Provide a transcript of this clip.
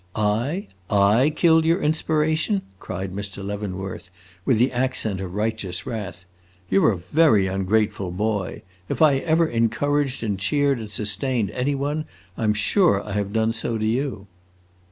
"I I killed your inspiration?" cried Mr. Leavenworth, with the accent of righteous wrath. "You 're a very ungrateful boy! If ever I encouraged and cheered and sustained any one, I 'm sure I have done so to you."